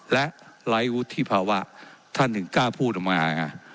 และไล้วุฒิภาวะท่านถึงกล้าพูดขึ้นมาไงอ่ะ